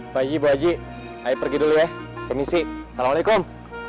pak ibu aji ayo pergi dulu ya ini sih assalamualaikum